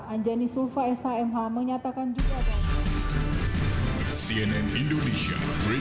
anjani sulfa shmh menyatakan juga